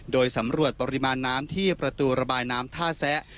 โดยสำรวจปริมาณน้ำที่ประตูระบายน้ำท่าแซะ